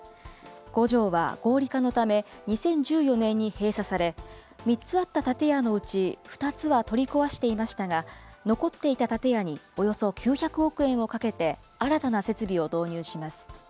工場は合理化のため２０１４年に閉鎖され、３つあった建屋のうち、２つは取り壊していましたが、残っていた建屋に、およそ９００億円をかけて、新たな設備を導入します。